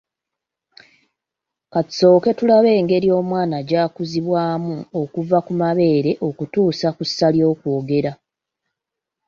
Ka tusooke tulabe engeri omwana gy’akuzibwamu okuva ku mabeere okutuusa ku ssa ly’okwogera.